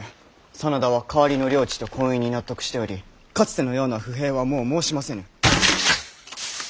真田は代わりの領地と婚姻に納得しておりかつてのような不平はもう申しませぬ。